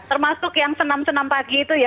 termasuk yang senam senam pagi itu ya